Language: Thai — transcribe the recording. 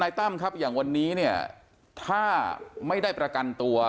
ธนายตั้มครับอย่างวันนี้ถ้าไม่ได้ประกันตัว